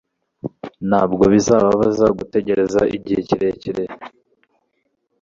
Ntabwo bizababaza gutegereza igihe kirekire